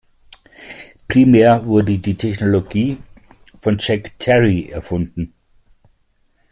Primär wurde die Technologie von Jack Terry erfunden.